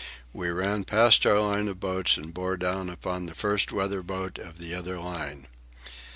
We ran past our line of boats and bore down upon the first weather boat of the other line.